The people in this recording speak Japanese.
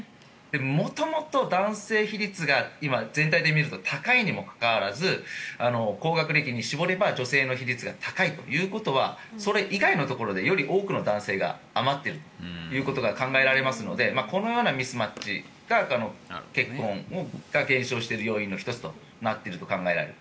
元々、男性比率が全体で見ると高いにもかかわらず高学歴に絞れば女性の比率が高いということはそれ以外のところでより多くの男性が余っていることが考えられますのでこのようなミスマッチが結婚が減少している要因の１つとなっていると考えられる。